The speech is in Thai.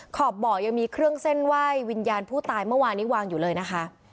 ขอบบ่อยังมีเครื่องเส้นไหว้วิญญาณผู้ตายเมื่อวานนี้วางอยู่เลยนะคะ